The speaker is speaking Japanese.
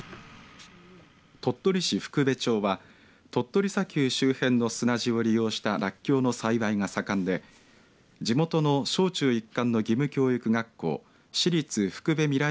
鳥取市福部町は鳥取砂丘周辺の砂地を利用したらっきょうの栽培が盛んで地元の小中一貫の義務教育学校市立福部未来